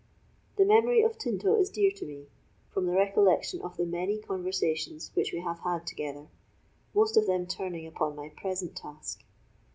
The memory of Tinto is dear to me, from the recollection of the many conversations which we have had together, most of them turning upon my present task.